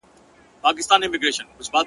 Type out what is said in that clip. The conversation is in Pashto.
ددې د سترګو حیا شته